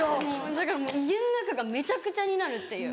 だからもう家の中がめちゃくちゃになるっていう。